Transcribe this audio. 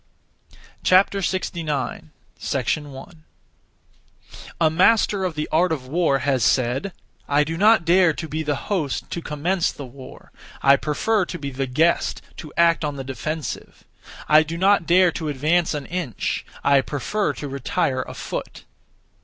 69. 1. A master of the art of war has said, 'I do not dare to be the host (to commence the war); I prefer to be the guest (to act on the defensive). I do not dare to advance an inch; I prefer to retire a foot.'